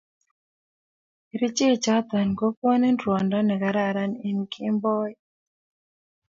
kerchek chiton ko gonin ruondo ne kararan eng kemboi